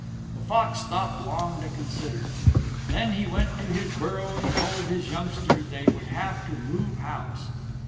The Fox stopped long to consider. Then he went to his burrow and told his youngsters they would have to move house.